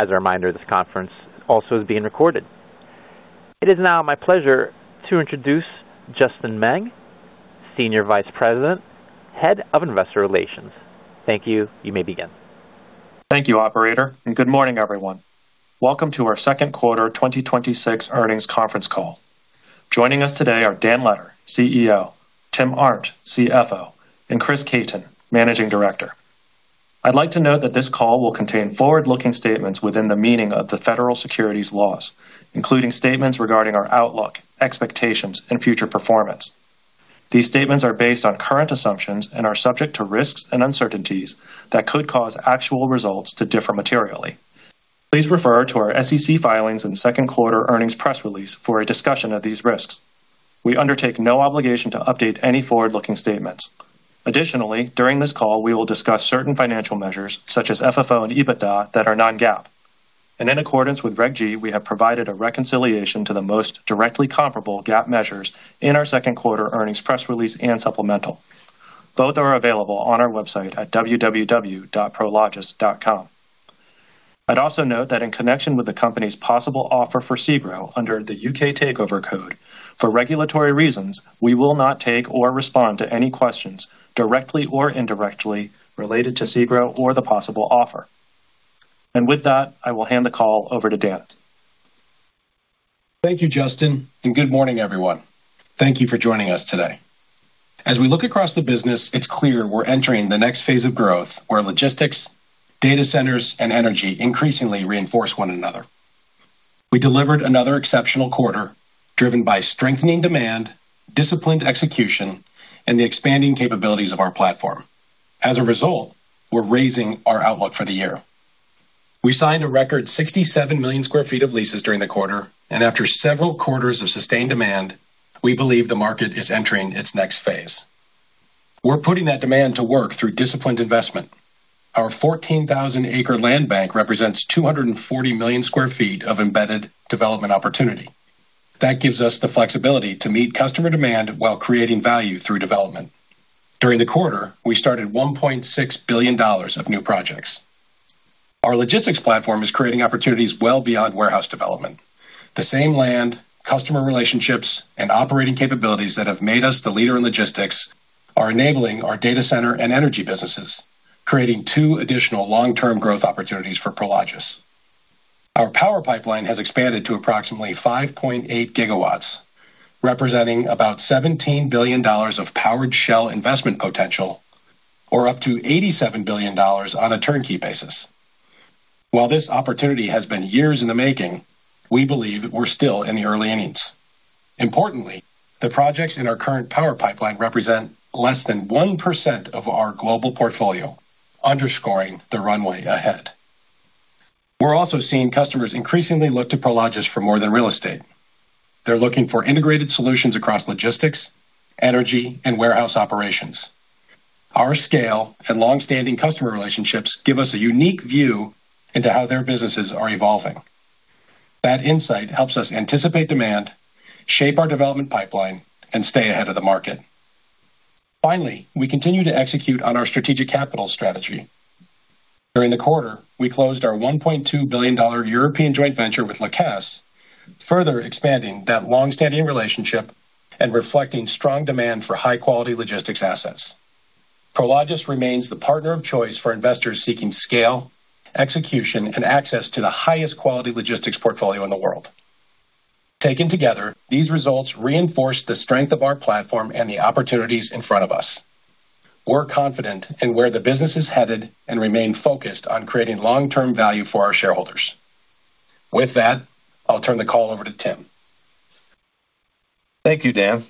As a reminder, this conference also is being recorded. It is now my pleasure to introduce Justin Meng, Senior Vice President, Head of Investor Relations. Thank you. You may begin. Thank you, operator, good morning, everyone. Welcome to our second quarter 2026 earnings conference call. Joining us today are Dan Letter, CEO, Tim Arndt, CFO, and Chris Caton, Managing Director. I'd like to note that this call will contain forward-looking statements within the meaning of the Federal Securities laws, including statements regarding our outlook, expectations, and future performance. These statements are based on current assumptions and are subject to risks and uncertainties that could cause actual results to differ materially. Please refer to our SEC filings and second quarter earnings press release for a discussion of these risks. We undertake no obligation to update any forward-looking statements. Additionally, during this call, we will discuss certain financial measures, such as FFO and EBITDA, that are non-GAAP. In accordance with Reg G, we have provided a reconciliation to the most directly comparable GAAP measures in our second quarter earnings press release and supplemental. Both are available on our website at www.prologis.com. I'd also note that in connection with the company's possible offer for SEGRO under the U.K. Takeover Code, for regulatory reasons, we will not take or respond to any questions directly or indirectly related to SEGRO or the possible offer. With that, I will hand the call over to Dan. Thank you, Justin, good morning, everyone. Thank you for joining us today. As we look across the business, it's clear we're entering the next phase of growth where logistics, data centers, and energy increasingly reinforce one another. We delivered another exceptional quarter driven by strengthening demand, disciplined execution, and the expanding capabilities of our platform. As a result, we're raising our outlook for the year. We signed a record 67 million sq ft of leases during the quarter, and after several quarters of sustained demand, we believe the market is entering its next phase. We're putting that demand to work through disciplined investment. Our 14,000 acre land bank represents 240 million sq ft of embedded development opportunity. That gives us the flexibility to meet customer demand while creating value through development. During the quarter, we started $1.6 billion of new projects. Our logistics platform is creating opportunities well beyond warehouse development. The same land, customer relationships, and operating capabilities that have made us the leader in logistics are enabling our data center and energy businesses, creating two additional long-term growth opportunities for Prologis. Our power pipeline has expanded to approximately 5.8 GW, representing about $17 billion of powered shell investment potential or up to $87 billion on a turnkey basis. While this opportunity has been years in the making, we believe we're still in the early innings. Importantly, the projects in our current power pipeline represent less than 1% of our global portfolio, underscoring the runway ahead. We're also seeing customers increasingly look to Prologis for more than real estate. They're looking for integrated solutions across logistics, energy, and warehouse operations. Our scale and long-standing customer relationships give us a unique view into how their businesses are evolving. That insight helps us anticipate demand, shape our development pipeline, and stay ahead of the market. Finally, we continue to execute on our strategic capital strategy. During the quarter, we closed our $1.2 billion European joint venture with La Caisse, further expanding that long-standing relationship and reflecting strong demand for high quality logistics assets. Prologis remains the partner of choice for investors seeking scale, execution, and access to the highest quality logistics portfolio in the world. Taken together, these results reinforce the strength of our platform and the opportunities in front of us. We're confident in where the business is headed and remain focused on creating long-term value for our shareholders. With that, I'll turn the call over to Tim. Thank you, Dan.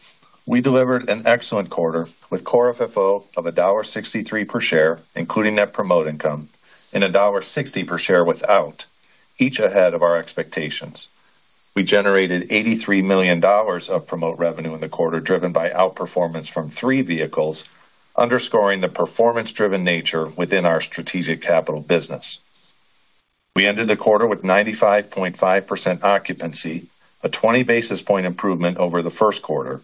We delivered an excellent quarter with Core FFO of $1.63 per share, including net promote income, and $1.60 per share without, each ahead of our expectations. We generated $83 million of promote revenue in the quarter, driven by outperformance from three vehicles, underscoring the performance driven nature within our strategic capital business. We ended the quarter with 95.5% occupancy, a 20 basis point improvement over the first quarter.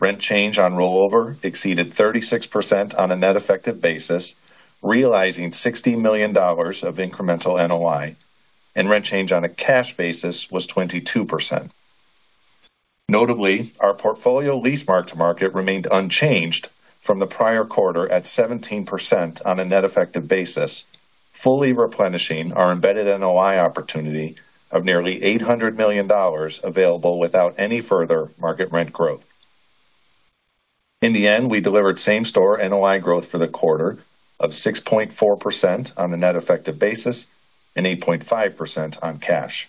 Rent change on rollover exceeded 36% on a net effective basis, realizing $60 million of incremental NOI, and rent change on a cash basis was 22%. Notably, our portfolio lease mark-to-market remained unchanged from the prior quarter at 17% on a net effective basis, fully replenishing our embedded NOI opportunity of nearly $800 million available without any further market rent growth. In the end, we delivered same-store NOI growth for the quarter of 6.4% on a net effective basis and 8.5% on cash.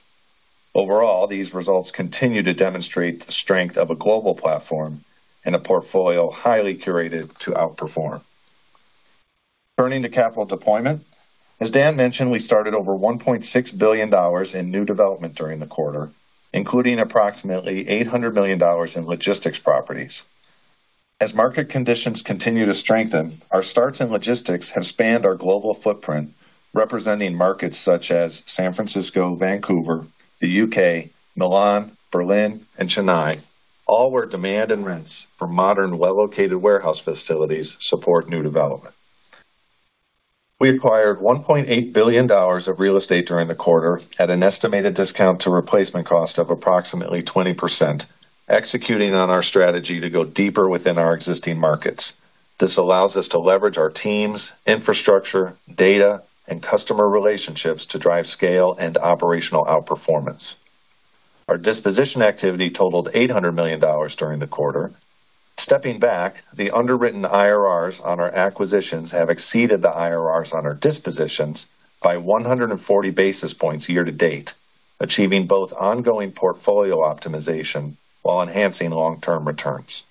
Overall, these results continue to demonstrate the strength of a global platform and a portfolio highly curated to outperform. Turning to capital deployment, as Dan mentioned, we started over $1.6 billion in new development during the quarter, including approximately $800 million in logistics properties. As market conditions continue to strengthen, our starts in logistics have spanned our global footprint, representing markets such as San Francisco, Vancouver, the U.K., Milan, Berlin, and Chennai. All where demand and rents for modern, well-located warehouse facilities support new development. We acquired $1.8 billion of real estate during the quarter at an estimated discount to replacement cost of approximately 20%, executing on our strategy to go deeper within our existing markets. This allows us to leverage our teams, infrastructure, data, and customer relationships to drive scale and operational outperformance. Our disposition activity totaled $800 million during the quarter. Stepping back, the underwritten IRRs on our acquisitions have exceeded the IRRs on our dispositions by 140 basis points year to date, achieving both ongoing portfolio optimization while enhancing long-term returns.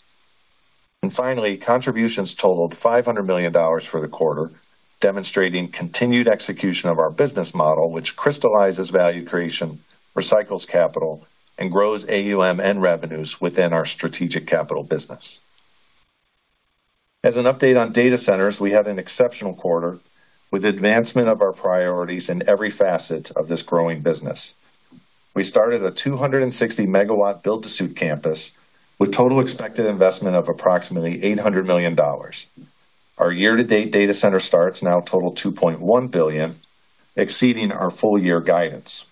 Finally, contributions totaled $500 million for the quarter, demonstrating continued execution of our business model, which crystallizes value creation, recycles capital, and grows AUM and revenues within our strategic capital business. As an update on data centers, we had an exceptional quarter with advancement of our priorities in every facet of this growing business. We started a 260 MW build-to-suit campus with total expected investment of approximately $800 million. Our year-to-date data center starts now total $2.1 billion, exceeding our full year guidance.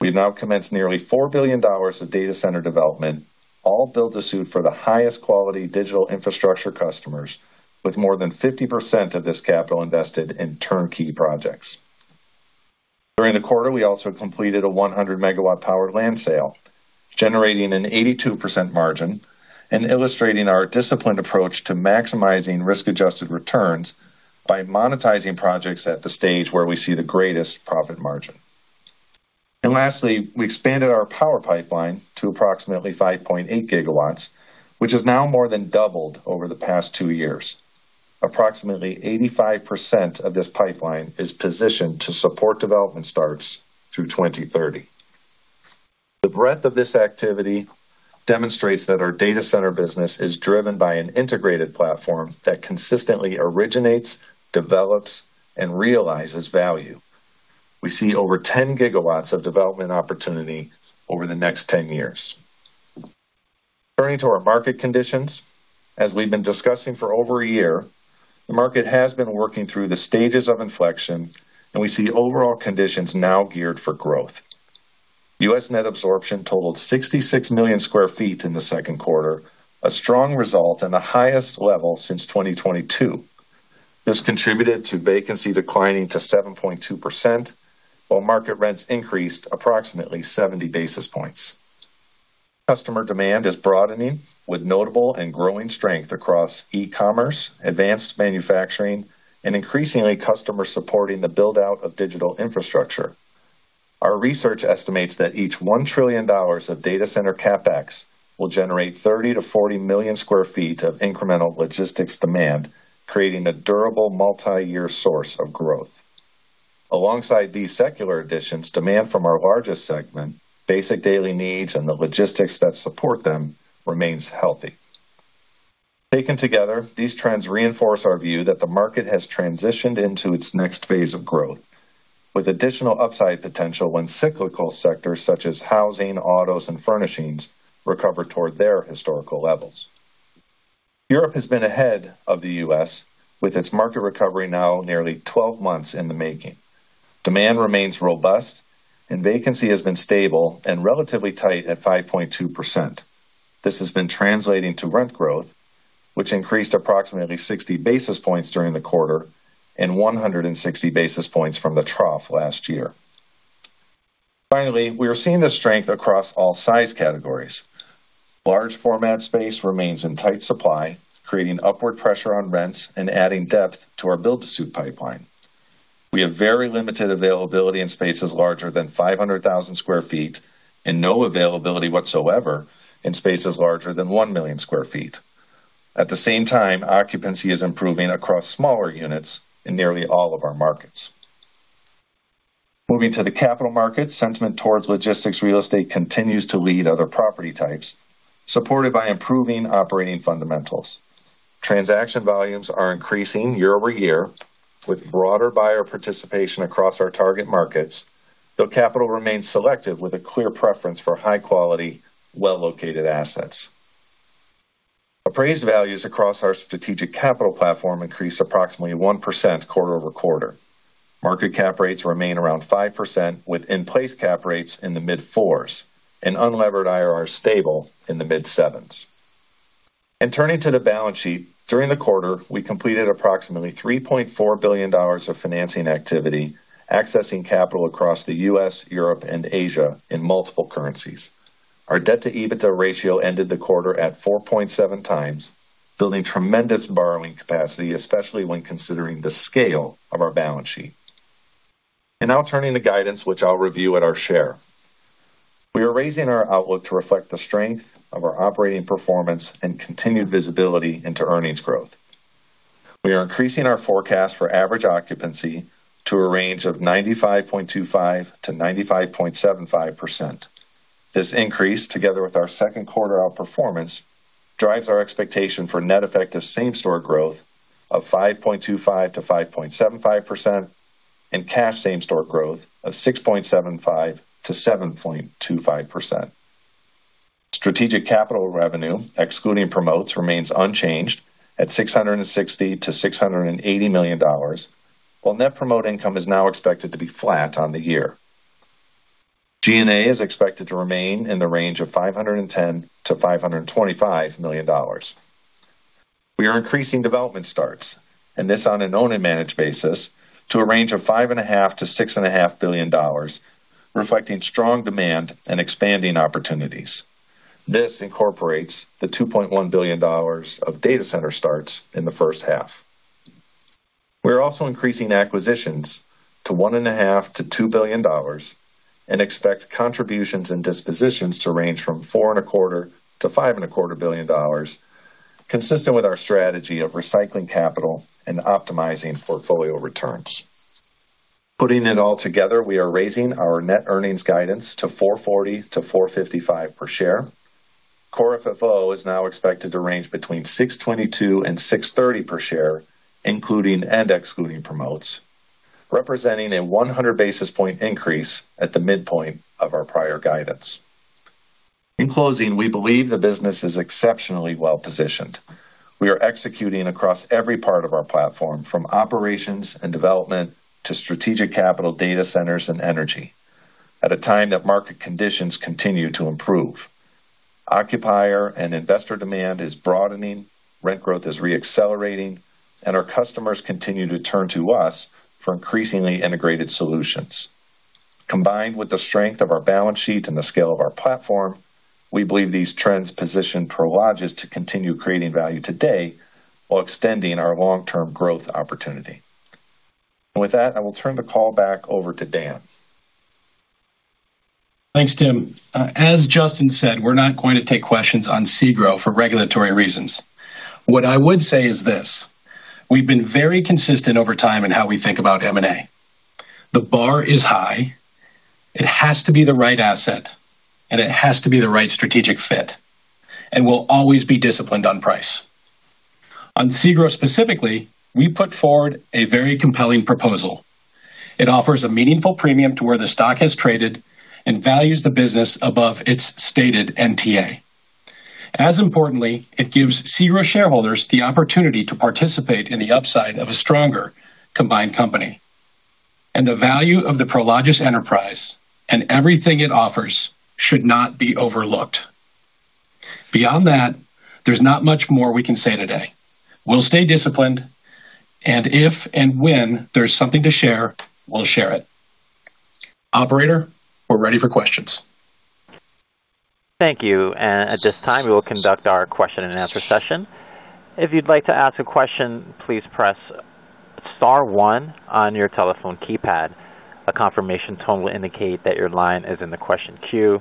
We've now commenced nearly $4 billion of data center development, all build-to-suit for the highest quality digital infrastructure customers, with more than 50% of this capital invested in turnkey projects. During the quarter, we also completed a 100 MW power land sale, generating an 82% margin and illustrating our disciplined approach to maximizing risk-adjusted returns by monetizing projects at the stage where we see the greatest profit margin. Lastly, we expanded our power pipeline to approximately 5.8 GW, which has now more than doubled over the past two years. Approximately 85% of this pipeline is positioned to support development starts through 2030. The breadth of this activity demonstrates that our data center business is driven by an integrated platform that consistently originates, develops, and realizes value. We see over 10 GW of development opportunity over the next 10 years. Turning to our market conditions, as we've been discussing for over a year, the market has been working through the stages of inflection, and we see overall conditions now geared for growth. U.S. net absorption totaled 66 million sq ft in the second quarter, a strong result and the highest level since 2022. This contributed to vacancy declining to 7.2%, while market rents increased approximately 70 basis points. Customer demand is broadening with notable and growing strength across e-commerce, advanced manufacturing, and increasingly customer supporting the build-out of digital infrastructure. Our research estimates that each $1 trillion of data center CapEx will generate 30 million sq ft-40 million sq ft of incremental logistics demand, creating a durable multiyear source of growth. Alongside these secular additions, demand from our largest segment, basic daily needs and the logistics that support them, remains healthy. Taken together, these trends reinforce our view that the market has transitioned into its next phase of growth, with additional upside potential when cyclical sectors such as housing, autos, and furnishings recover toward their historical levels. Europe has been ahead of the U.S., with its market recovery now nearly 12 months in the making. Demand remains robust, and vacancy has been stable and relatively tight at 5.2%. This has been translating to rent growth, which increased approximately 60 basis points during the quarter and 160 basis points from the trough last year. Finally, we are seeing the strength across all size categories. Large format space remains in tight supply, creating upward pressure on rents and adding depth to our build-to-suit pipeline. We have very limited availability in spaces larger than 500,000 sq ft and no availability whatsoever in spaces larger than 1 million sq ft. At the same time, occupancy is improving across smaller units in nearly all of our markets. Moving to the capital markets, sentiment towards logistics real estate continues to lead other property types, supported by improving operating fundamentals. Transaction volumes are increasing year-over-year with broader buyer participation across our target markets, though capital remains selective with a clear preference for high-quality, well-located assets. Appraised values across our strategic capital platform increased approximately 1% quarter-over-quarter. Market cap rates remain around 5%, with in-place cap rates in the mid-fours and unlevered IRRs stable in the mid sevens. Turning to the balance sheet, during the quarter, we completed approximately $3.4 billion of financing activity, accessing capital across the U.S., Europe, and Asia in multiple currencies. Our debt-to-EBITDA ratio ended the quarter at 4.7x, building tremendous borrowing capacity, especially when considering the scale of our balance sheet. Now turning to guidance, which I'll review at our share. We are raising our outlook to reflect the strength of our operating performance and continued visibility into earnings growth. We are increasing our forecast for average occupancy to a range of 95.25%-95.75%. This increase, together with our second quarter outperformance, drives our expectation for net effect of same-store growth of 5.25%-5.75% and cash same-store growth of 6.75%-7.25%. Strategic capital revenue, excluding promotes, remains unchanged at $660 million-$680 million, while net promote income is now expected to be flat on the year. G&A is expected to remain in the range of $510 million-$525 million. We are increasing development starts, and this on an owned and managed basis, to a range of $5.5 billion-$6.5 billion, reflecting strong demand and expanding opportunities. This incorporates the $2.1 billion of data center starts in the first half. We are also increasing acquisitions to $1.5 billion-$2 billion and expect contributions and dispositions to range from $4.25 billion-$5.25 billion, consistent with our strategy of recycling capital and optimizing portfolio returns. Putting it all together, we are raising our net earnings guidance to $4.40-$4.55 per share. Core FFO is now expected to range between $6.22 and $6.30 per share, including and excluding promotes, representing a 100 basis point increase at the midpoint of our prior guidance. In closing, we believe the business is exceptionally well-positioned. We are executing across every part of our platform, from operations and development to strategic capital data centers and energy, at a time that market conditions continue to improve. Occupier and investor demand is broadening, rent growth is re-accelerating, and our customers continue to turn to us for increasingly integrated solutions. Combined with the strength of our balance sheet and the scale of our platform, we believe these trends position Prologis to continue creating value today while extending our long-term growth opportunity. With that, I will turn the call back over to Dan. Thanks, Tim. As Justin said, we're not going to take questions on SEGRO for regulatory reasons. What I would say is this: we've been very consistent over time in how we think about M&A. The bar is high. It has to be the right asset, and it has to be the right strategic fit. We'll always be disciplined on price. On SEGRO specifically, we put forward a very compelling proposal. It offers a meaningful premium to where the stock has traded and values the business above its stated NTA. As importantly, it gives SEGRO shareholders the opportunity to participate in the upside of a stronger combined company. The value of the Prologis enterprise and everything it offers should not be overlooked. Beyond that, there's not much more we can say today. We'll stay disciplined, and if and when there's something to share, we'll share it. Operator, we're ready for questions. Thank you. At this time, we will conduct our question and answer session. If you'd like to ask a question, please press star one on your telephone keypad. A confirmation tone will indicate that your line is in the question queue.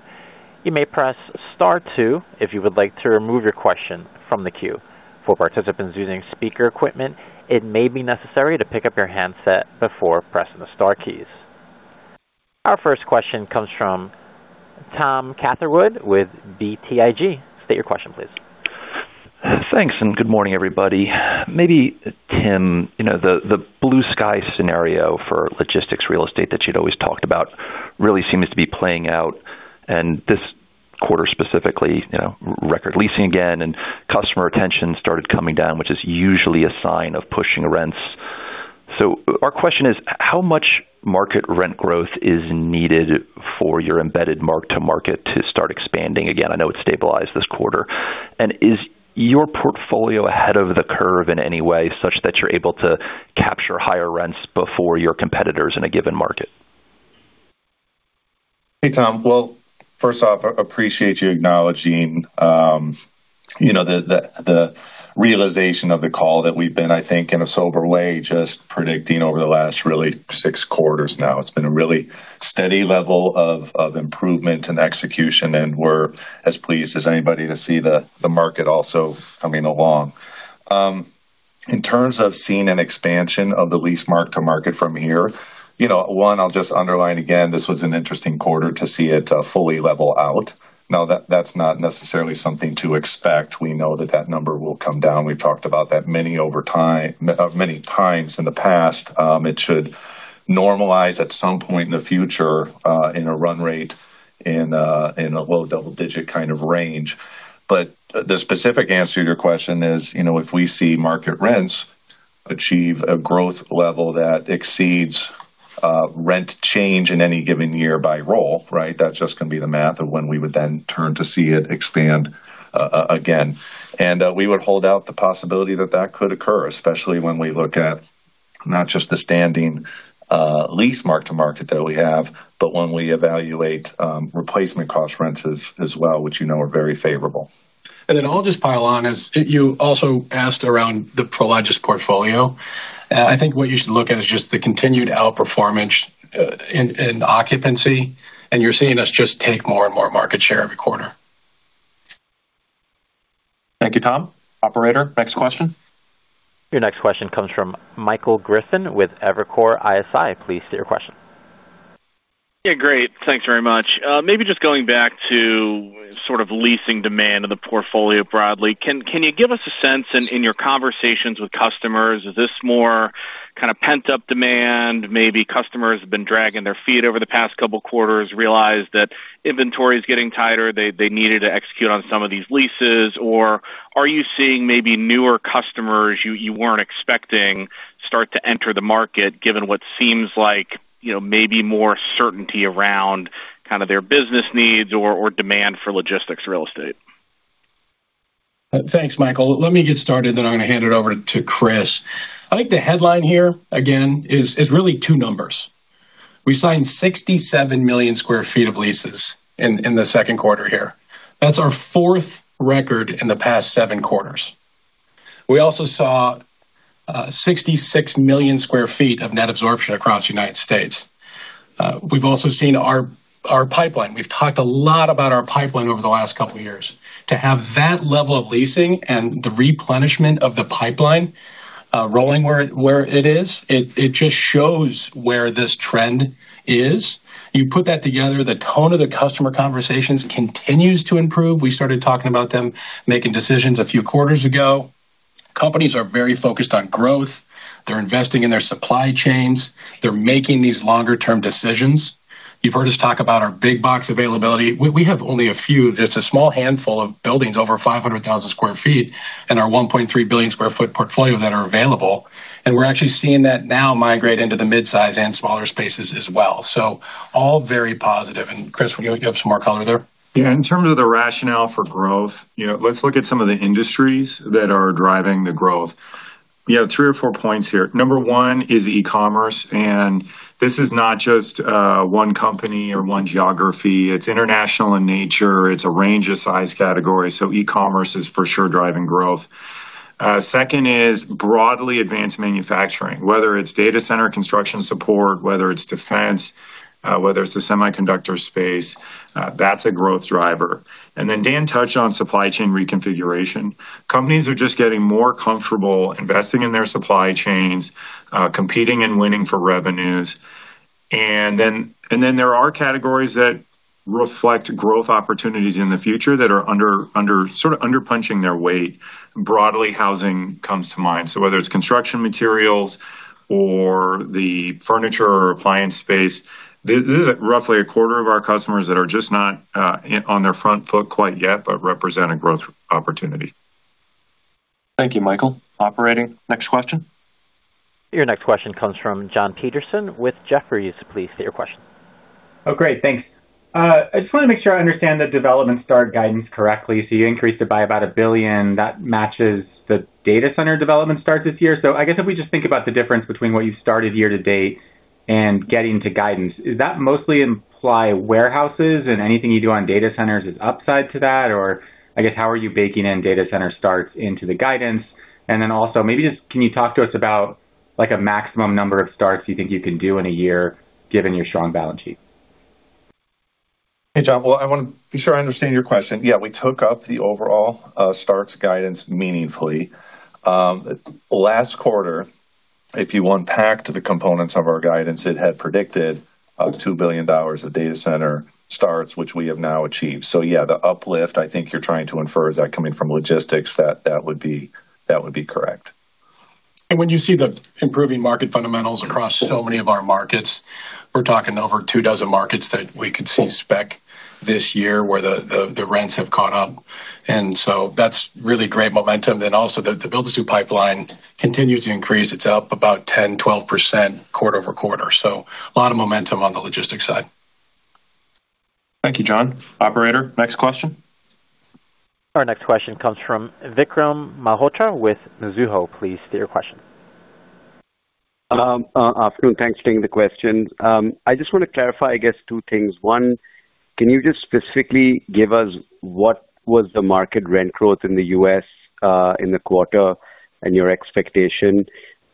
You may press star two if you would like to remove your question from the queue. For participants using speaker equipment, it may be necessary to pick up your handset before pressing the star keys. Our first question comes from Tom Catherwood with BTIG. State your question, please. Thanks, and good morning, everybody. Maybe, Tim, the blue sky scenario for logistics real estate that you'd always talked about really seems to be playing out. This quarter specifically, record leasing again and customer retention started coming down, which is usually a sign of pushing rents. Our question is, how much market rent growth is needed for your embedded mark to market to start expanding again? I know it's stabilized this quarter. Is your portfolio ahead of the curve in any way, such that you're able to capture higher rents before your competitors in a given market? Hey, Tom. First off, I appreciate you acknowledging the realization of the call that we've been, I think, in a sober way, just predicting over the last really six quarters now. It's been a really steady level of improvement and execution, and we're as pleased as anybody to see the market also coming along. In terms of seeing an expansion of the lease mark-to-market from here, one, I'll just underline again, this was an interesting quarter to see it fully level out. That's not necessarily something to expect. We know that that number will come down. We've talked about that many times in the past. It should normalize at some point in the future in a run rate in a low double-digit kind of range. The specific answer to your question is, if we see market rents achieve a growth level that exceeds rent change in any given year by roll, right. That's just going to be the math of when we would then turn to see it expand again. We would hold out the possibility that that could occur, especially when we look at not just the standing lease mark-to-market that we have, but when we evaluate replacement cost rents as well, which you know are very favorable. I'll just pile on, as you also asked around the Prologis portfolio. I think what you should look at is just the continued outperformance in occupancy, and you're seeing us just take more and more market share every quarter. Thank you, Tom. Operator, next question. Your next question comes from Michael Griffin with Evercore ISI. Please state your question. Great. Thanks very much. Maybe just going back to sort of leasing demand in the portfolio broadly. Can you give us a sense in your conversations with customers, is this more kind of pent-up demand, maybe customers have been dragging their feet over the past couple quarters, realized that inventory is getting tighter, they needed to execute on some of these leases? Are you seeing maybe newer customers you weren't expecting start to enter the market given what seems like maybe more certainty around their business needs or demand for logistics real estate? Thanks, Michael. Let me get started, I'm going to hand it over to Chris. I think the headline here, again, is really two numbers. We signed 67 million sq ft of leases in the second quarter here. That's our fourth record in the past seven quarters. We also saw 66 million sq ft of net absorption across the U.S. We've also seen our pipeline. We've talked a lot about our pipeline over the last couple of years. To have that level of leasing and the replenishment of the pipeline rolling where it is, it just shows where this trend is. You put that together, the tone of the customer conversations continues to improve. We started talking about them making decisions a few quarters ago. Companies are very focused on growth. They're investing in their supply chains. They're making these longer-term decisions. You've heard us talk about our big box availability. We have only a few, just a small handful of buildings over 500,000 sq ft in our 1.3 billion square foot portfolio that are available. We're actually seeing that now migrate into the midsize and smaller spaces as well. All very positive. Chris, you have some more color there. In terms of the rationale for growth, let's look at some of the industries that are driving the growth. You have three or four points here. Number one is e-commerce, this is not just one company or one geography. It's international in nature. It's a range of size categories. E-commerce is for sure driving growth. Second is broadly advanced manufacturing, whether it's data center construction support, whether it's defense, whether it's the semiconductor space. That's a growth driver. Dan touched on supply chain reconfiguration. Companies are just getting more comfortable investing in their supply chains, competing and winning for revenues. There are categories that reflect growth opportunities in the future that are sort of underpunching their weight. Broadly, housing comes to mind. Whether it's construction materials or the furniture or appliance space. This is roughly a quarter of our customers that are just not on their front foot quite yet, but represent a growth opportunity. Thank you, Michael. Operator, next question. Your next question comes from Jon Petersen with Jefferies. Please state your question. Oh, great. Thanks. I just want to make sure I understand the development start guidance correctly. You increased it by about $1 billion. That matches the data center development start this year. I guess if we just think about the difference between what you started year to date and getting to guidance, is that mostly imply warehouses and anything you do on data centers is upside to that? I guess, how are you baking in data center starts into the guidance? Also, maybe just can you talk to us about a maximum number of starts you think you can do in a year given your strong balance sheet? Hey, Jon. Well, I want to be sure I understand your question. Yeah, we took up the overall starts guidance meaningfully. Last quarter, if you unpack the components of our guidance, it had predicted $2 billion of data center starts, which we have now achieved. Yeah, the uplift, I think you're trying to infer, is that coming from logistics? That would be correct. When you see the improving market fundamentals across so many of our markets, we're talking over two dozen markets that we could see spec this year where the rents have caught up. That's really great momentum. Also the build-to-suit pipeline continues to increase. It's up about 10%, 12% quarter-to-quarter. A lot of momentum on the logistics side. Thank you, Jon. Operator, next question. Our next question comes from Vikram Malhotra with Mizuho. Please state your question. Afternoon. Thanks for taking the question. I just want to clarify, I guess two things. One, can you just specifically give us what was the market rent growth in the U.S. in the quarter and your expectation?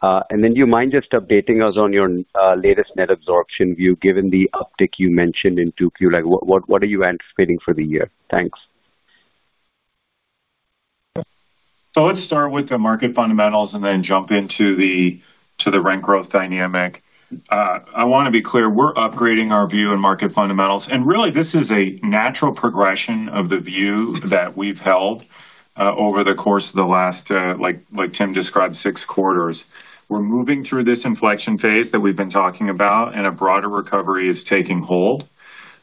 Do you mind just updating us on your latest net absorption view, given the uptick you mentioned in 2Q? What are you anticipating for the year? Thanks. Let's start with the market fundamentals and then jump into the rent growth dynamic. I want to be clear, we're upgrading our view on market fundamentals. Really, this is a natural progression of the view that we've held over the course of the last, like Tim described, six quarters. We're moving through this inflection phase that we've been talking about, and a broader recovery is taking hold.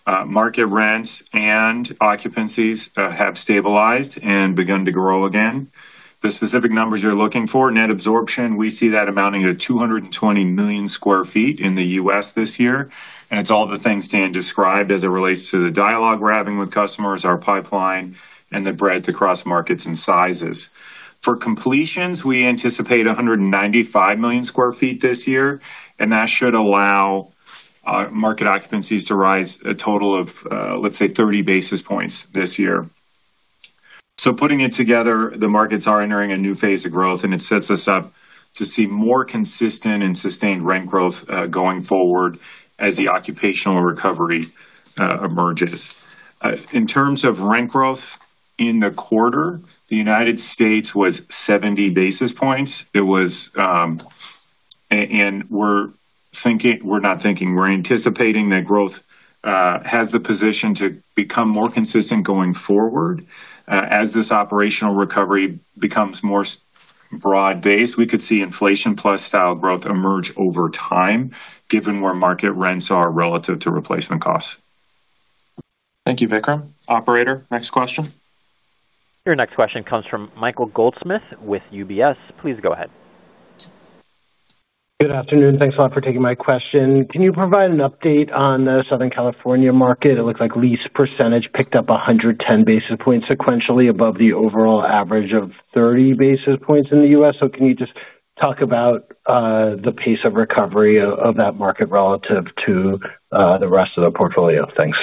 Market rents and occupancies have stabilized and begun to grow again. The specific numbers you're looking for, net absorption, we see that amounting to 220 million sq ft in the U.S. this year, and it's all the things Dan described as it relates to the dialogue we're having with customers, our pipeline, and the breadth across markets and sizes. For completions, we anticipate 195 million sq ft this year, and that should allow market occupancies to rise a total of, let's say, 30 basis points this year. Putting it together, the markets are entering a new phase of growth, and it sets us up to see more consistent and sustained rent growth going forward as the occupational recovery emerges. In terms of rent growth in the quarter, the United States was 70 basis points. We're anticipating that growth has the position to become more consistent going forward. As this operational recovery becomes more broad-based, we could see inflation plus style growth emerge over time, given where market rents are relative to replacement costs. Thank you, Vikram. Operator, next question. Your next question comes from Michael Goldsmith with UBS. Please go ahead. Good afternoon. Thanks a lot for taking my question. Can you provide an update on the Southern California market? It looks like lease percentage picked up 110 basis points sequentially above the overall average of 30 basis points in the U.S. Can you just talk about the pace of recovery of that market relative to the rest of the portfolio? Thanks.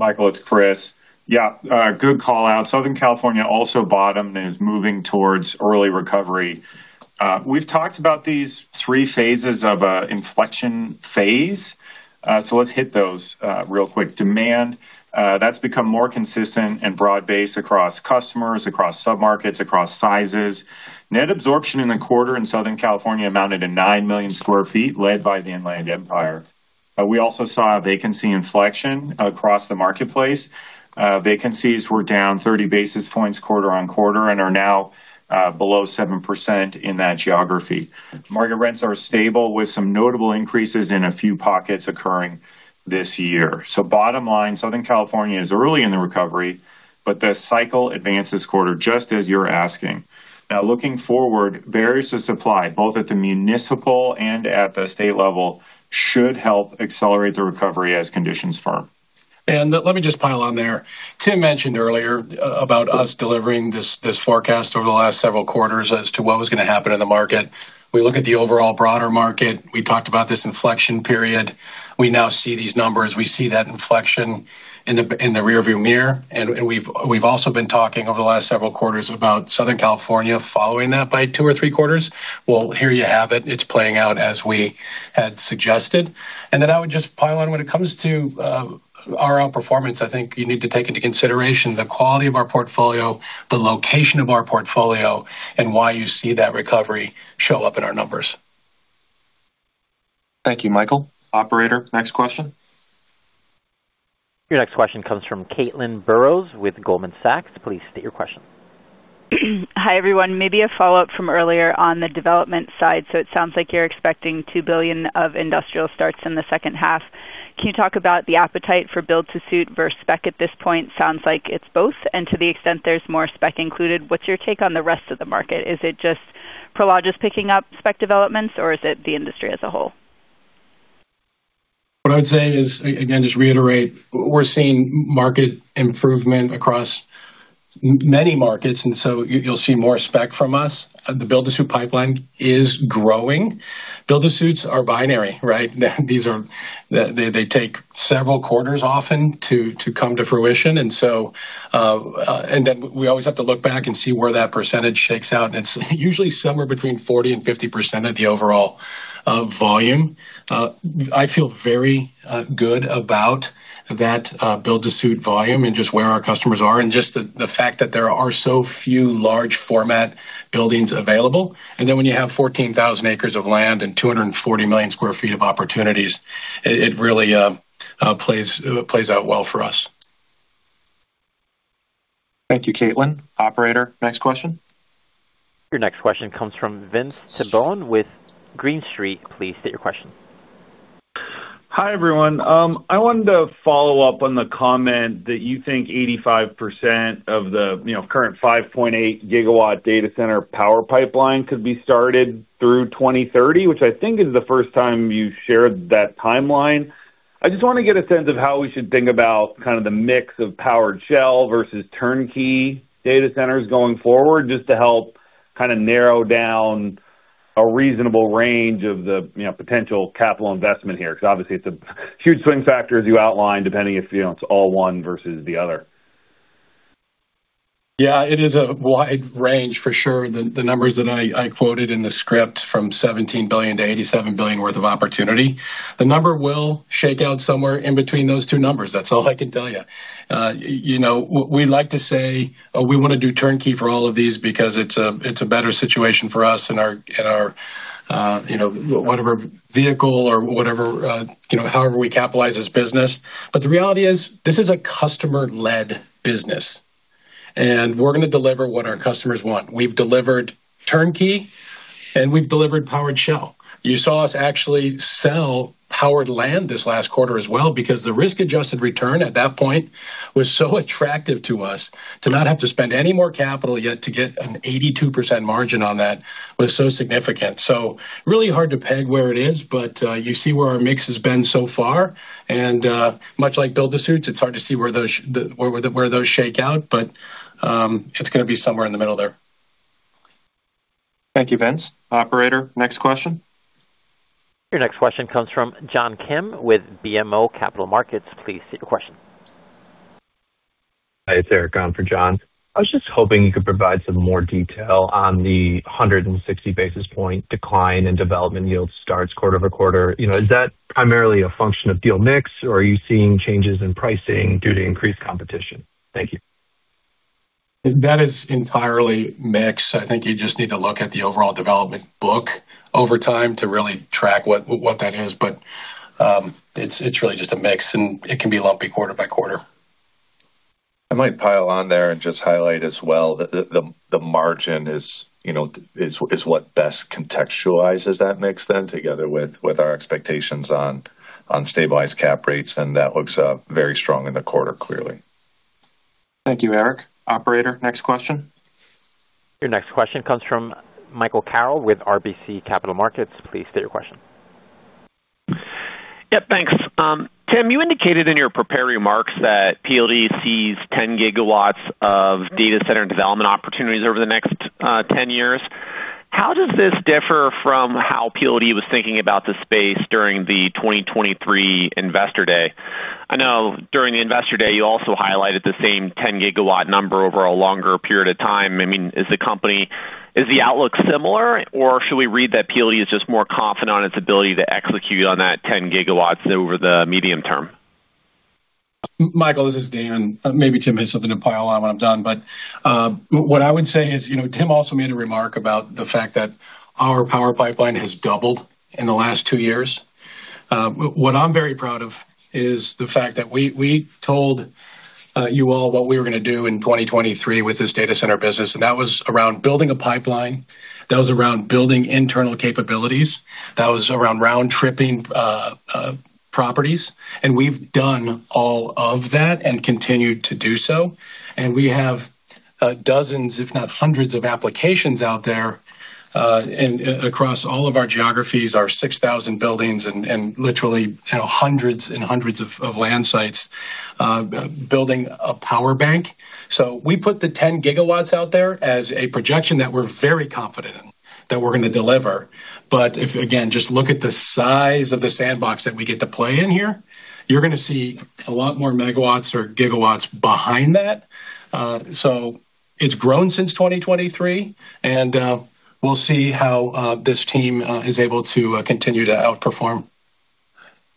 Michael, it's Chris. Yeah. Good call out. Southern California also bottomed and is moving towards early recovery. We've talked about these three phases of an inflection phase. Let's hit those real quick. Demand, that's become more consistent and broad-based across customers, across sub-markets, across sizes. Net absorption in the quarter in Southern California amounted to 9 million sq ft, led by the Inland Empire. We also saw a vacancy inflection across the marketplace. Vacancies were down 30 basis points quarter-on-quarter and are now below 7% in that geography. Market rents are stable with some notable increases in a few pockets occurring this year. Bottom line, Southern California is early in the recovery, but the cycle advances quarter, just as you're asking. Now looking forward, barriers to supply, both at the municipal and at the state level, should help accelerate the recovery as conditions firm. Let me just pile on there. Tim mentioned earlier about us delivering this forecast over the last several quarters as to what was going to happen in the market. We look at the overall broader market. We talked about this inflection period. We now see these numbers. We see that inflection in the rearview mirror. We've also been talking over the last several quarters about Southern California following that by two or three quarters. Well, heeere you have it. It's playing out as we had suggested. Then I would just pile on when it comes to our outperformance, I think you need to take into consideration the quality of our portfolio, the location of our portfolio, and why you see that recovery show up in our numbers. Thank you, Michael. Operator, next question. Your next question comes from Caitlin Burrows with Goldman Sachs. Please state your question. Hi, everyone. Maybe a follow-up from earlier on the development side. It sounds like you're expecting $2 billion of industrial starts in the second half. Can you talk about the appetite for build-to-suit versus spec at this point? Sounds like it's both. To the extent there's more spec included, what's your take on the rest of the market? Is it just Prologis picking up spec developments, or is it the industry as a whole? What I would say is, again, just reiterate, we're seeing market improvement across many markets, so you'll see more spec from us. The build-to-suit pipeline is growing. Build-to-suits are binary, right? They take several quarters often to come to fruition. We always have to look back and see where that percentage shakes out, and it's usually somewhere between 40%-50% of the overall volume. I feel very good about that build-to-suit volume and just where our customers are and just the fact that there are so few large format buildings available. When you have 14,000 acres of land and 240 million sq ft of opportunities, it really plays out well for us. Thank you, Caitlin. Operator, next question. Your next question comes from Vince Tibone with Green Street. Please state your question. Hi, everyone. I wanted to follow up on the comment that you think 85% of the current 5.8 GW data center power pipeline could be started through 2030, which I think is the first time you shared that timeline. I just want to get a sense of how we should think about kind of the mix of powered shell versus turnkey data centers going forward, just to help kind of narrow down a reasonable range of the potential capital investment here. Obviously it's a huge swing factor, as you outlined, depending if it's all one versus the other. Yeah, it is a wide range for sure. The numbers that I quoted in the script from $17 billion-$87 billion worth of opportunity. The number will shake out somewhere in between those two numbers. That's all I can tell you. We like to say we want to do turnkey for all of these because it's a better situation for us in whatever vehicle or however we capitalize this business. The reality is this is a customer-led business, and we're going to deliver what our customers want. We've delivered turnkey, and we've delivered powered shell. You saw us actually sell powered land this last quarter as well because the risk-adjusted return at that point was so attractive to us to not have to spend any more capital, yet to get an 82% margin on that was so significant. Really hard to peg where it is, but you see where our mix has been so far, and much like build-to-suits, it's hard to see where those shake out, but it's going to be somewhere in the middle there. Thank you, Vince. Operator, next question. Your next question comes from John Kim with BMO Capital Markets. Please state your question. Hi, it's Eric on for John. I was just hoping you could provide some more detail on the 160 basis point decline in development yield starts quarter-over-quarter. Is that primarily a function of deal mix, or are you seeing changes in pricing due to increased competition? Thank you. That is entirely mixed. I think you just need to look at the overall development book over time to really track what that is. It's really just a mix, and it can be lumpy quarter-by-quarter. I might pile on there and just highlight as well that the margin is what best contextualizes that mix then together with our expectations on stabilized cap rates. That looks very strong in the quarter, clearly. Thank you, Eric. Operator, next question. Your next question comes from Michael Carroll with RBC Capital Markets. Please state your question. Yeah, thanks. Tim, you indicated in your prepared remarks that PLD sees 10 GW of data center and development opportunities over the next 10 years. How does this differ from how PLD was thinking about the space during the 2023 Investor Day? I know during the Investor Day, you also highlighted the same 10 GW number over a longer period of time. Is the outlook similar, or should we read that PLD is just more confident on its ability to execute on that 10 GW over the medium term? Michael, this is Dan. Maybe Tim has something to pile on when I'm done. What I would say is, Tim also made a remark about the fact that our power pipeline has doubled in the last two years. What I'm very proud of is the fact that we told you all what we were going to do in 2023 with this data center business, and that was around building a pipeline, that was around building internal capabilities, that was around round-tripping properties. We've done all of that and continue to do so. We have dozens, if not hundreds, of applications out there, and across all of our geographies, our 6,000 buildings and literally hundreds and hundreds of land sites building a power bank. We put the 10 GW out there as a projection that we're very confident in that we're going to deliver. If, again, just look at the size of the sandbox that we get to play in here, you're going to see a lot more megawatts or gigawatts behind that. It's grown since 2023, and we'll see how this team is able to continue to outperform.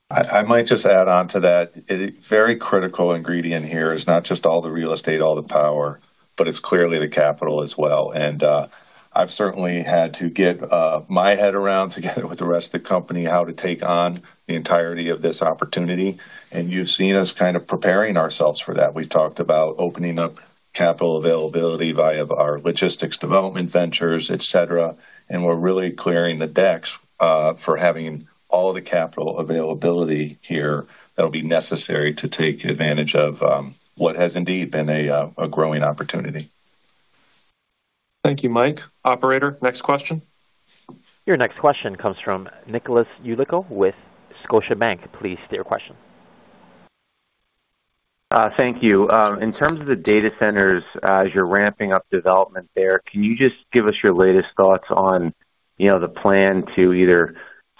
I might just add on to that. A very critical ingredient here is not just all the real estate, all the power, but it's clearly the capital as well. I've certainly had to get my head around together with the rest of the company how to take on the entirety of this opportunity, and you've seen us kind of preparing ourselves for that. We've talked about opening up capital availability via our logistics development ventures, et cetera, and we're really clearing the decks for having all of the capital availability here that'll be necessary to take advantage of what has indeed been a growing opportunity. Thank you, Mike. Operator, next question. Your next question comes from Nicholas Yulico with Scotiabank. Please state your question. Thank you. In terms of the data centers, as you're ramping up development there, can you just give us your latest thoughts on the plan to either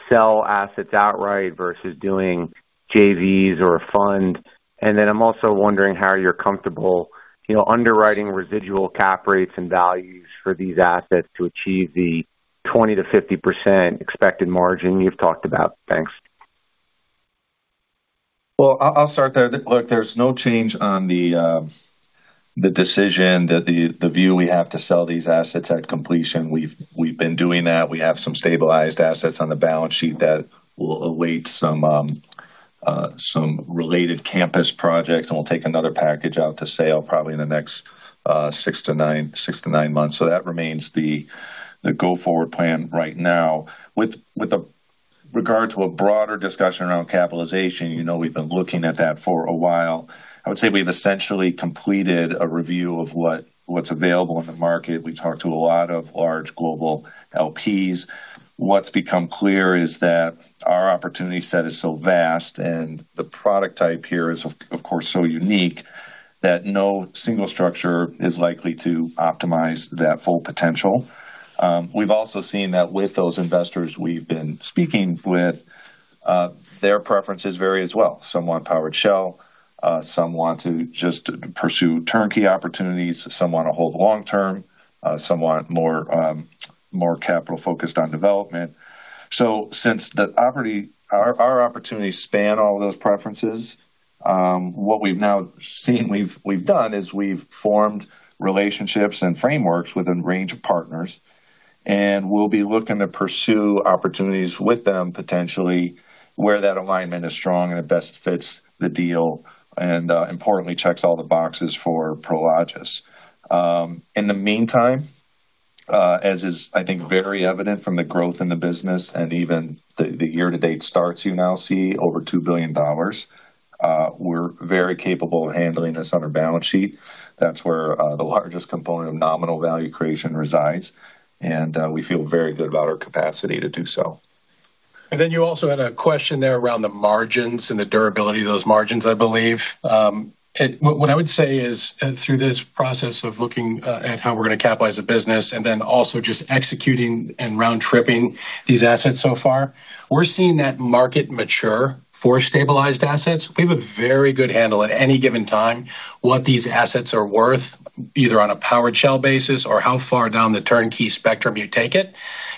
sell assets outright versus doing JVs or a fund? Then I'm also wondering how you're comfortable underwriting residual cap rates and values for these assets to achieve the 20%-50% expected margin you've talked about. Thanks. Well, I'll start there. Look, there's no change on the decision that the view we have to sell these assets at completion. We've been doing that. We have some stabilized assets on the balance sheet that will await some related campus projects, and we'll take another package out to sale probably in the next six to nine months. That remains the go-forward plan right now. With regard to a broader discussion around capitalization, you know we've been looking at that for a while. I would say we've essentially completed a review of what's available in the market. We talked to a lot of large global LPs. What's become clear is that our opportunity set is so vast, and the product type here is, of course, so unique that no single structure is likely to optimize that full potential. We've also seen that with those investors we've been speaking with, their preferences vary as well. Some want powered shell, some want to just pursue turnkey opportunities, some want to hold long-term, some want more capital focused on development. Since our opportunities span all those preferences, what we've now seen we've done is we've formed relationships and frameworks within range of partners, and we'll be looking to pursue opportunities with them potentially where that alignment is strong and it best fits the deal, and importantly, checks all the boxes for Prologis. In the meantime, as is, I think, very evident from the growth in the business and even the year-to-date starts you now see over $2 billion, we're very capable of handling this on our balance sheet. That's where the largest component of nominal value creation resides, and we feel very good about our capacity to do so. You also had a question there around the margins and the durability of those margins, I believe. What I would say is, through this process of looking at how we're going to capitalize the business and then also just executing and round-tripping these assets so far, we're seeing that market mature for stabilized assets. We have a very good handle at any given time what these assets are worth, either on a powered shell basis or how far down the turnkey spectrum you take it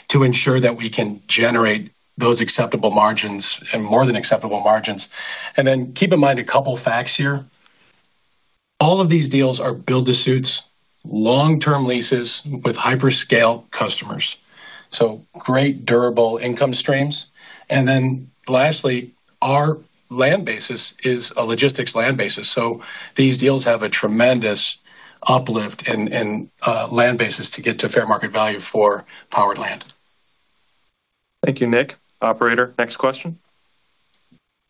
to ensure that we can generate those acceptable margins and more than acceptable margins. Keep in mind a couple of facts here. All of these deals are build-to-suits, long-term leases with hyperscale customers. Great durable income streams. Lastly, our land basis is a logistics land basis. These deals have a tremendous uplift in land basis to get to fair market value for powered land. Thank you, Nick. Operator, next question.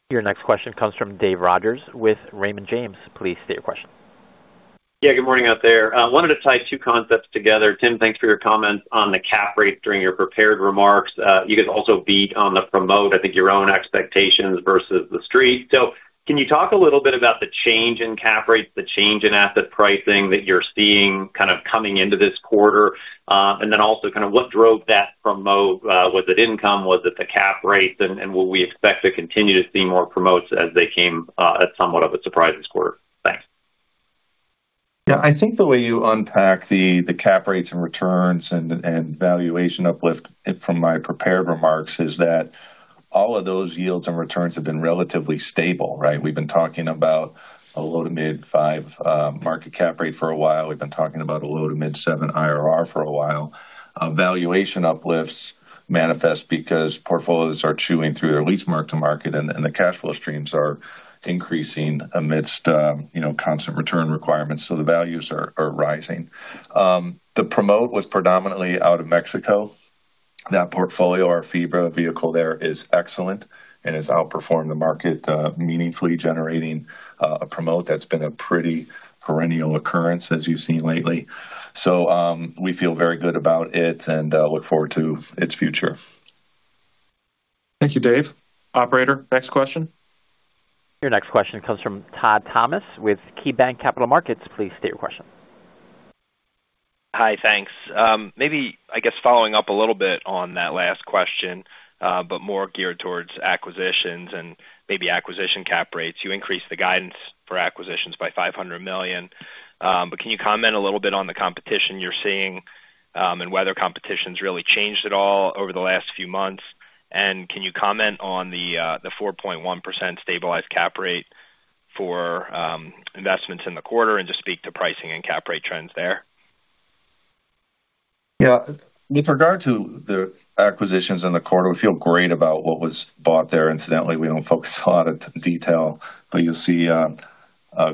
Your next question comes from Dave Rodgers with Raymond James. Please state your question. Yeah, good morning out there. I wanted to tie two concepts together. Tim, thanks for your comments on the cap rates during your prepared remarks. You could also beat on the promote, I think your own expectations versus TheStreet. Can you talk a little bit about the change in cap rates, the change in asset pricing that you're seeing kind of coming into this quarter? Then also kind of what drove that promote. Was it income? Was it the cap rates? Will we expect to continue to see more promotes as they came at somewhat of a surprise this quarter? Thanks. Yeah. I think the way you unpack the cap rates and returns and valuation uplift from my prepared remarks is that all of those yields and returns have been relatively stable, right? We've been talking about a low to mid five market cap rate for a while. We've been talking about a low to mid seven IRR for a while. Valuation uplifts manifest because portfolios are chewing through their lease mark-to-market, and the cash flow streams are increasing amidst constant return requirements. The values are rising. The promote was predominantly out of Mexico. That portfolio, our FIBRA vehicle there is excellent and has outperformed the market, meaningfully generating a promote. That's been a pretty perennial occurrence, as you've seen lately. We feel very good about it and look forward to its future. Thank you, Dave. Operator, next question. Your next question comes from Todd Thomas with KeyBanc Capital Markets. Please state your question. Hi. Thanks. Maybe, I guess following up a little bit on that last question, but more geared towards acquisitions and maybe acquisition cap rates. You increased the guidance for acquisitions by $500 million. Can you comment a little bit on the competition you're seeing, and whether competition's really changed at all over the last few months? Can you comment on the 4.1% stabilized cap rate for investments in the quarter and just speak to pricing and cap rate trends there? Yeah. With regard to the acquisitions in the quarter, we feel great about what was bought there. Incidentally, we don't focus a lot of detail, but you'll see a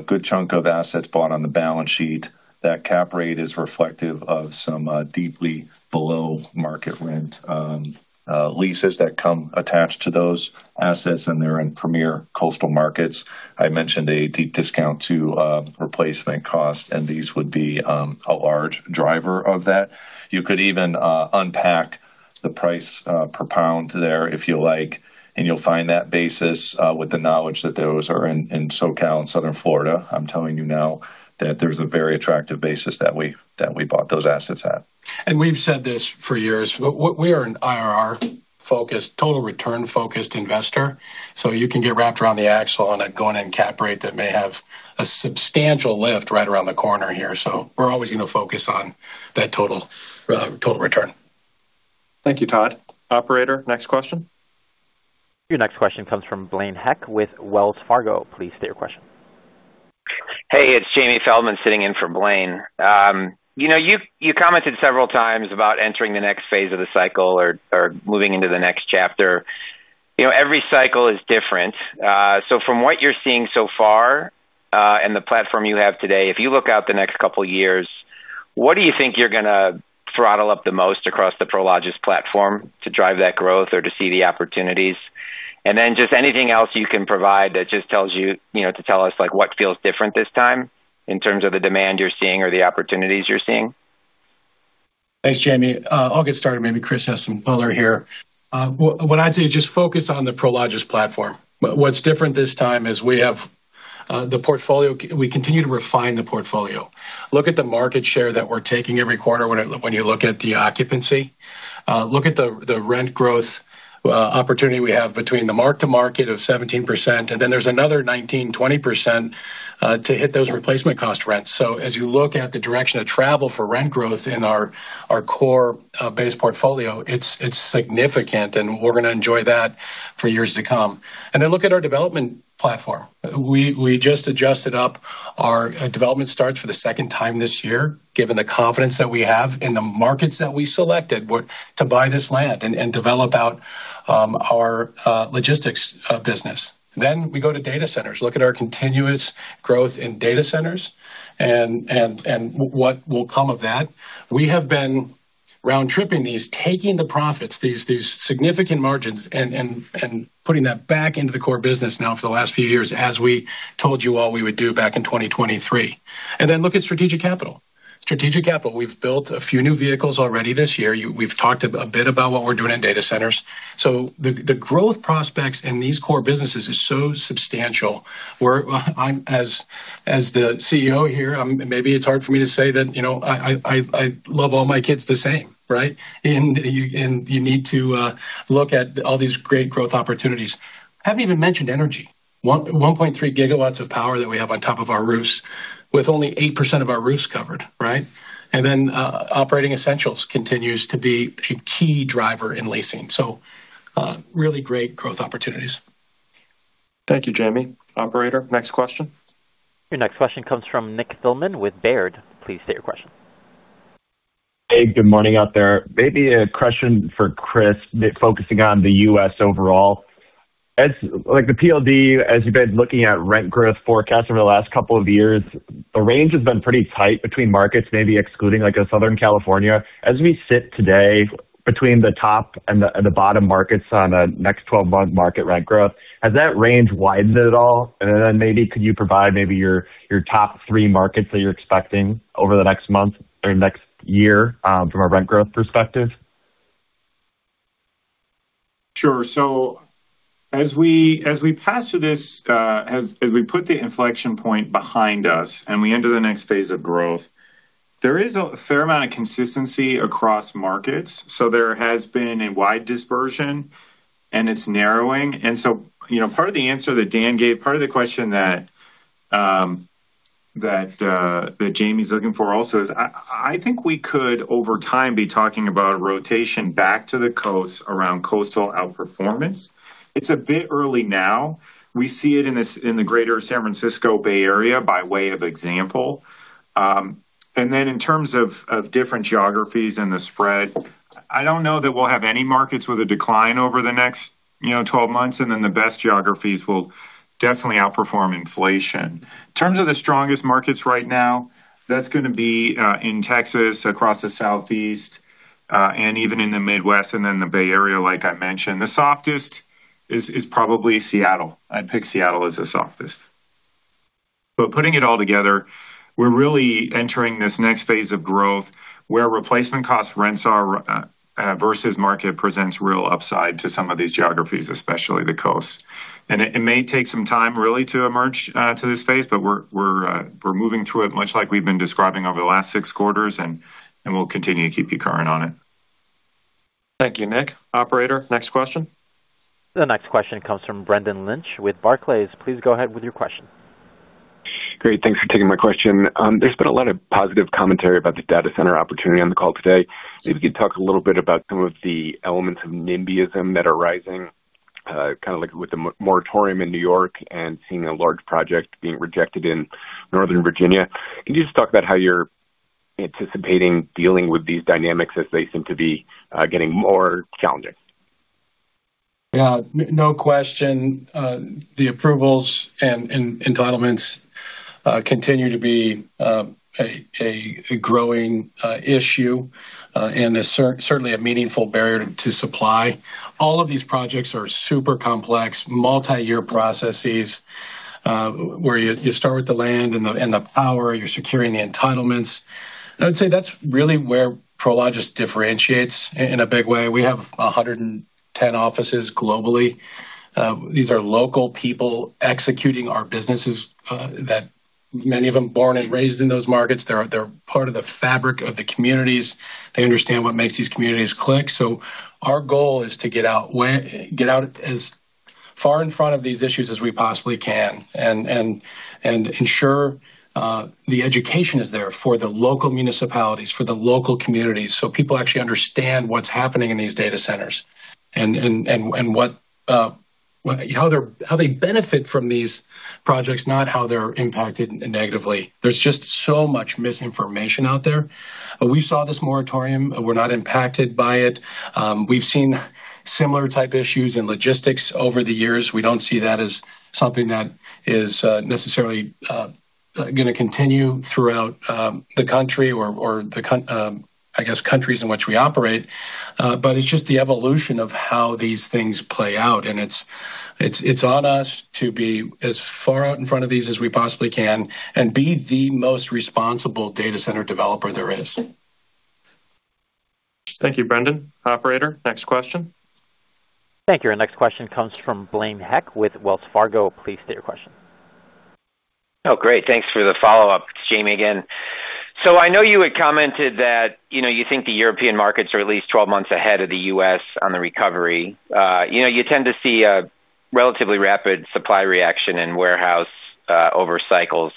good chunk of assets bought on the balance sheet. That cap rate is reflective of some deeply below market rent on leases that come attached to those assets, and they're in premier coastal markets. I mentioned a deep discount to replacement cost, and these would be a large driver of that. You could even unpack the price per pound there if you like, and you'll find that basis with the knowledge that those are in SoCal and Southern Florida. I'm telling you now that there's a very attractive basis that we bought those assets at. We've said this for years. We are an IRR focused, total return focused investor. You can get wrapped around the axle on a going in cap rate that may have a substantial lift right around the corner here. We're always going to focus on that total return. Thank you, Todd. Operator, next question. Your next question comes from Blaine Heck with Wells Fargo. Please state your question. Hey, it's Jamie Feldman sitting in for Blaine. You commented several times about entering the next phase of the cycle or moving into the next chapter. Every cycle is different. From what you're seeing so far, and the platform you have today, if you look out the next couple of years, what do you think you're going to throttle up the most across the Prologis platform to drive that growth or to see the opportunities? Then just anything else you can provide that just tell us what feels different this time in terms of the demand you're seeing or the opportunities you're seeing. Thanks, Jamie. I'll get started. Maybe Chris has some color here. What I'd say is just focus on the Prologis platform. What's different this time is we continue to refine the portfolio. Look at the market share that we're taking every quarter when you look at the occupancy. Look at the rent growth opportunity we have between the lease mark-to-market of 17%, then there's another 19%, 20% to hit those replacement cost rents. As you look at the direction of travel for rent growth in our core base portfolio, it's significant, and we're going to enjoy that for years to come. Then look at our development platform. We just adjusted up our development starts for the second time this year, given the confidence that we have in the markets that we selected to buy this land and develop out our logistics business. We go to data centers. Look at our continuous growth in data centers and what will come of that. We have been round-tripping these, taking the profits, these significant margins, and putting that back into the core business now for the last few years, as we told you all we would do back in 2023. Look at strategic capital. Strategic capital, we've built a few new vehicles already this year. We've talked a bit about what we're doing in data centers. The growth prospects in these core businesses is so substantial. As the CEO here, maybe it's hard for me to say that I love all my kids the same, right? You need to look at all these great growth opportunities. Haven't even mentioned energy. 1.3 GW of power that we have on top of our roofs with only 8% of our roofs covered, right? Operating essentials continues to be a key driver in leasing. Really great growth opportunities. Thank you, Jamie. Operator, next question. Your next question comes from Nick Thillman with Baird. Please state your question. Hey, good morning out there. Maybe a question for Chris, focusing on the U.S. overall. As PLD, as you've been looking at rent growth forecasts over the last couple of years, the range has been pretty tight between markets, maybe excluding Southern California. As we sit today between the top and the bottom markets on a next 12-month market rent growth, has that range widened at all? Maybe could you provide your top three markets that you're expecting over the next month or next year from a rent growth perspective? Sure. As we put the inflection point behind us, we enter the next phase of growth, there is a fair amount of consistency across markets. There has been a wide dispersion, it's narrowing. Part of the answer that Dan gave, part of the question that Jamie's looking for also is, I think we could, over time, be talking about a rotation back to the coast around coastal outperformance. It's a bit early now. We see it in the greater San Francisco Bay Area, by way of example. In terms of different geographies and the spread, I don't know that we'll have any markets with a decline over the next 12 months, the best geographies will definitely outperform inflation. In terms of the strongest markets right now, that's going to be in Texas, across the Southeast, and even in the Midwest, the Bay Area, like I mentioned. The softest is probably Seattle. I'd pick Seattle as the softest. Putting it all together, we're really entering this next phase of growth where replacement cost rents are versus market presents real upside to some of these geographies, especially the coast. It may take some time, really, to emerge to this phase, but we're moving through it much like we've been describing over the last six quarters, and we'll continue to keep you current on it. Thank you, Nick. Operator, next question. The next question comes from Brendan Lynch with Barclays. Please go ahead with your question. Great. Thanks for taking my question. There's been a lot of positive commentary about the data center opportunity on the call today. Maybe you could talk a little bit about some of the elements of NIMBYism that are rising, kind of like with the moratorium in New York and seeing a large project being rejected in Northern Virginia. Can you just talk about how you're anticipating dealing with these dynamics as they seem to be getting more challenging? Yeah. No question. The approvals and entitlements continue to be a growing issue. Is certainly a meaningful barrier to supply. All of these projects are super complex, multi-year processes, where you start with the land and the power. You're securing the entitlements. I'd say that's really where Prologis differentiates in a big way. We have 110 offices globally. These are local people executing our businesses that many of them born and raised in those markets. They're part of the fabric of the communities. They understand what makes these communities click. Our goal is to get out as far in front of these issues as we possibly can and ensure the education is there for the local municipalities, for the local communities, so people actually understand what's happening in these data centers and how they benefit from these projects, not how they're impacted negatively. There's just so much misinformation out there. We saw this moratorium. We're not impacted by it. We've seen similar type issues in logistics over the years. We don't see that as something that is necessarily going to continue throughout the country or, I guess, countries in which we operate. It's just the evolution of how these things play out, and it's on us to be as far out in front of these as we possibly can and be the most responsible data center developer there is. Thank you, Brendan. Operator, next question. Thank you. Our next question comes from Blaine Heck with Wells Fargo. Please state your question. Oh, great. Thanks for the follow-up. It's Jamie again. I know you had commented that you think the European markets are at least 12 months ahead of the U.S. on the recovery. You tend to see a relatively rapid supply reaction in warehouse over cycles.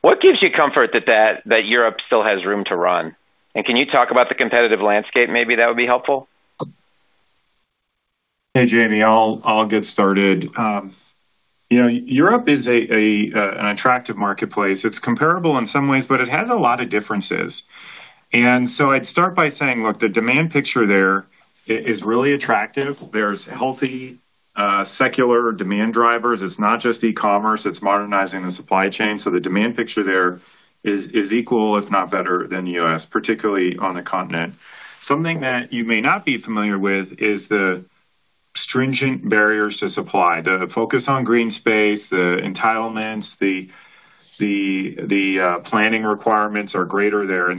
What gives you comfort that Europe still has room to run? Can you talk about the competitive landscape? Maybe that would be helpful. Hey, Jamie, I'll get started. Europe is an attractive marketplace. It's comparable in some ways, but it has a lot of differences. I'd start by saying, look, the demand picture there is really attractive. There's healthy, secular demand drivers. It's not just e-commerce, it's modernizing the supply chain. The demand picture there is equal, if not better than the U.S., particularly on the continent. Something that you may not be familiar with is the stringent barriers to supply. The focus on green space, the entitlements, the planning requirements are greater there.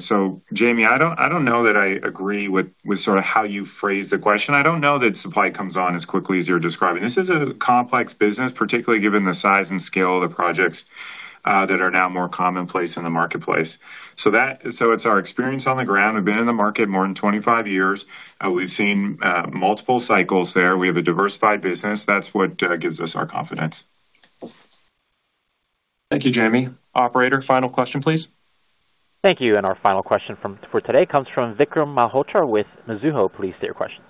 Jamie, I don't know that I agree with sort of how you phrased the question. I don't know that supply comes on as quickly as you're describing. This is a complex business, particularly given the size and scale of the projects that are now more commonplace in the marketplace. It's our experience on the ground. We've been in the market more than 25 years. We've seen multiple cycles there. We have a diversified business. That's what gives us our confidence. Thank you, Jamie. Operator, final question, please. Thank you. Our final question for today comes from Vikram Malhotra with Mizuho. Please state your question.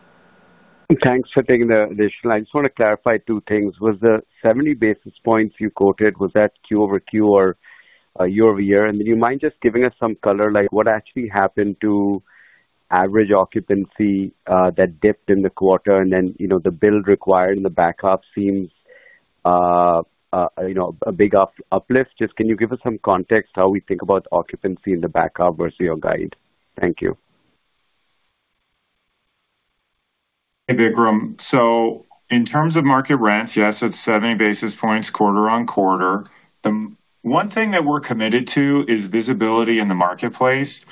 Thanks for taking the additional. I just want to clarify two things. Was the 70 basis points you quoted, was that Q-over-Q or year-over-year? Do you mind just giving us some color, like what actually happened to average occupancy that dipped in the quarter? The build required in the back half seems a big uplift. Just can you give us some context how we think about occupancy in the back half versus your guide? Thank you. Hey, Vikram. In terms of market rents, yes, it's 70 basis points quarter-on-quarter. The one thing that we're committed to is visibility in the marketplace,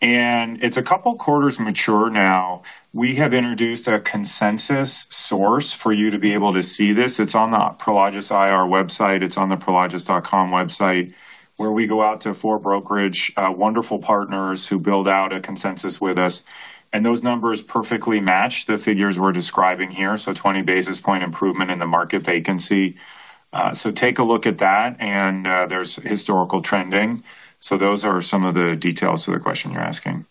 and it's a couple quarters mature now. We have introduced a consensus source for you to be able to see this. It's on the Prologis IR website. It's on the prologis.com website, where we go out to four brokerage wonderful partners who build out a consensus with us, and those numbers perfectly match the figures we're describing here. 20 basis point improvement in the market vacancy. Take a look at that, and there's historical trending. Those are some of the details to the question you're asking.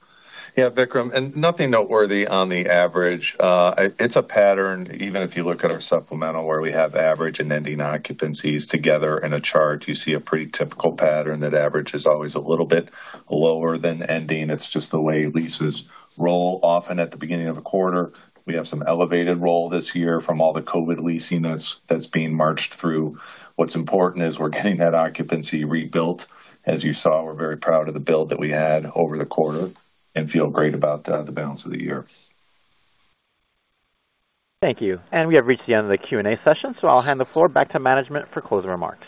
Yeah, Vikram, nothing noteworthy on the average. It's a pattern. Even if you look at our supplemental, where we have average and ending occupancies together in a chart, you see a pretty typical pattern that average is always a little bit lower than ending. It's just the way leases roll. Often at the beginning of a quarter, we have some elevated roll this year from all the COVID leasing that's being marched through. What's important is we're getting that occupancy rebuilt. As you saw, we're very proud of the build that we had over the quarter and feel great about the balance of the year. Thank you. We have reached the end of the Q&A session, I'll hand the floor back to management for closing remarks.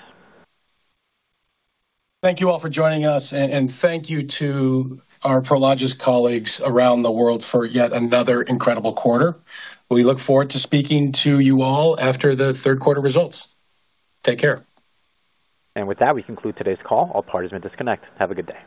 Thank you all for joining us, and thank you to our Prologis colleagues around the world for yet another incredible quarter. We look forward to speaking to you all after the third quarter results. Take care. With that, we conclude today's call. All parties may disconnect. Have a good day.